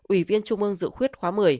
ủy viên trung ương dự khuyết khóa một mươi